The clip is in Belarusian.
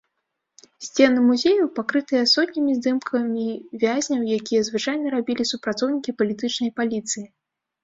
Сцены музею пакрытыя сотнямі здымкамі вязняў, якія звычайна рабілі супрацоўнікі палітычнай паліцыі.